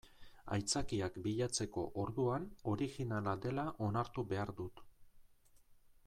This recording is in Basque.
Aitzakiak bilatzeko orduan originala dela onartu behar dut.